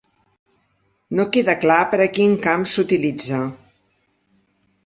No queda clar per a quin camp s'utilitza.